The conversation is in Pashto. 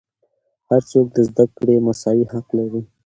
هر څوک د زدهکړې مساوي حق لري.